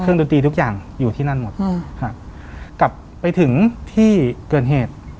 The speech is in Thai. ดนตรีทุกอย่างอยู่ที่นั่นหมดอืมครับกลับไปถึงที่เกิดเหตุ